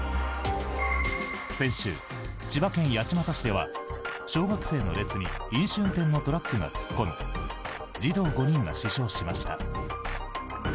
先週、千葉県八街市では小学生の列に飲酒運転のトラックが突っ込み児童５人が死傷しました。